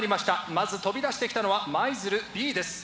まず飛び出してきたのは舞鶴Ｂです。